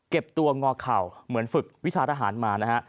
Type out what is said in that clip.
เก็บตัวงอข่าวเหมือนฝึกวิทยาละหารมานะฮะ